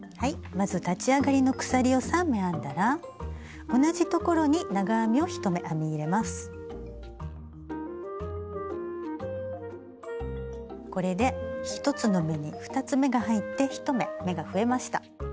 まず立ち上がりの鎖を３目編んだら同じところにこれで１つの目に２つ目が入って１目目が増えました。